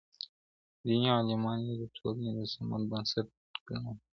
ديني عالمان يې د ټولنې د سمون بنسټ ګڼل.